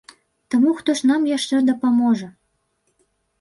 Таму хто ж нам яшчэ дапаможа?